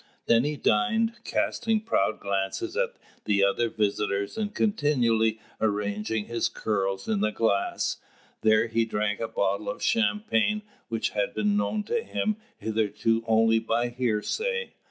There he dined, casting proud glances at the other visitors, and continually arranging his curls in the glass. There he drank a bottle of champagne, which had been known to him hitherto only by hearsay.